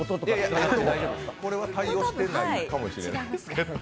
いやいや、これは対応してないかもしれない。